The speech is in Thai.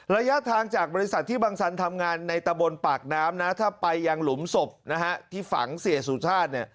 ระยะทางจากบริษัทที่บังสันทำงานในตะบนปากน้ำนะถ้าไปยังหลุมศพนะฮะที่ฝังเสียสุชาติเนี่ย